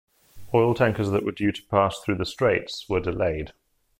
Oil tankers that were due to pass through the straits were delayed.